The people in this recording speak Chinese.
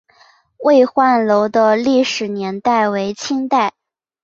巍焕楼的历史年代为清代。